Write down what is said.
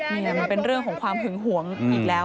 นี่มันเป็นเรื่องของความหึงหวงอีกแล้ว